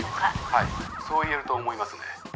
はいそう言えると思いますね。